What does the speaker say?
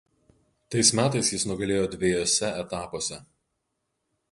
Tais metais jis nugalėjo dvejuose etapuose.